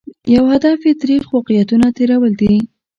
یو هدف یې ترخ واقعیتونه تېرول دي.